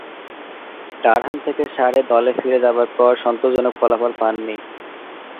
Durham থেকে সারে দলে ফিরে যাবার পর সন্তোষজনক ফলাফল পাননি।